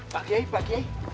pak kiai pak kiai